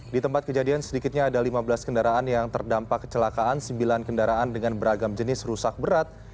di tempat kejadian sedikitnya ada lima belas kendaraan yang terdampak kecelakaan sembilan kendaraan dengan beragam jenis rusak berat